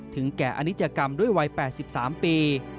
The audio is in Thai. แก่อนิจกรรมด้วยวัย๘๓ปี